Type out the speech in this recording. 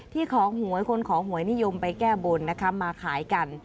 ของหวยคนของหวยนิยมไปแก้บนนะคะมาขายกัน